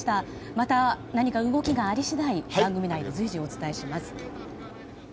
また、何か動きがあり次第番組内で随時お伝えします。